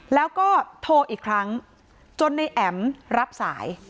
แล้วก็โทรอีกครั้งจนในแอ๋มรับสาย